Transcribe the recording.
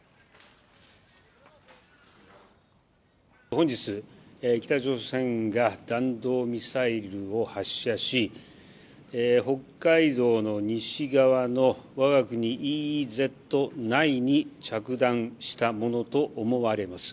本日、北朝鮮が弾道ミサイルを発射し、北海道の西側の我が国ＥＥＺ内に着弾したものと思われます。